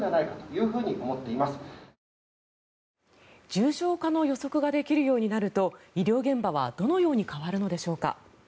重症化の予測ができるようになると医療現場はどのように変わるのでしょうか。